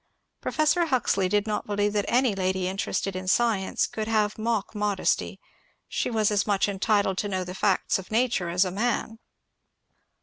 Professor Huxley did not believe that any lady interested in science could have mock modesty ; she was as much entitled to know the facts of nature as a man.